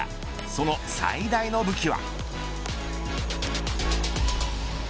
その最大の武器は。